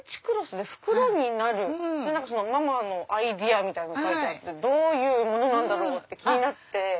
でママのアイデアみたいなのが書いてあってどういうものなんだろう？って気になって。